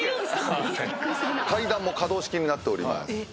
階段も可動式になっております。